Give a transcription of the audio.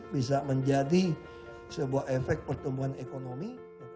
bisa menjadi sebuah efek pertumbuhan ekonomi